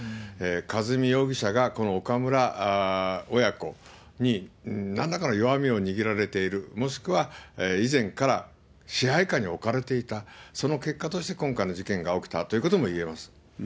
和美容疑者がこの岡村親子に、なんらかの弱みを握られている、もしくは以前から支配下に置かれていた、その結果として、今回の事件が起きたということもいえます。